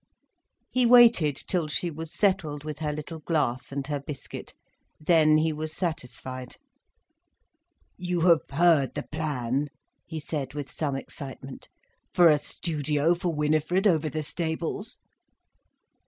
He waited till she was settled with her little glass and her biscuit. Then he was satisfied. "You have heard the plan," he said with some excitement, "for a studio for Winifred, over the stables?"